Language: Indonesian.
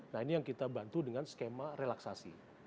nah ini yang kita bantu dengan skema relaksasi